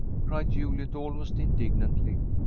cried Juliet, almost indignantly.